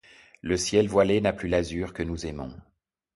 Le ciel voilé n'a plus l'azur que nous aimons